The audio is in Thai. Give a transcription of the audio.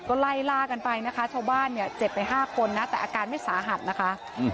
ก็ไล่ล่ากันไปนะคะชาวบ้านเนี่ยเจ็บไป๕คนนะแต่อาการไม่สาหัสนะคะ